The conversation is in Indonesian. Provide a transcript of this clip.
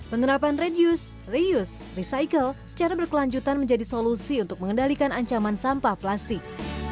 penerapan reduce reuse recycle secara berkelanjutan menjadi solusi untuk mengendalikan ancaman sampah plastik